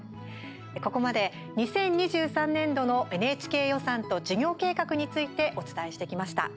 ここまで２０２３年度のＮＨＫ予算と事業計画についてお伝えしてきました。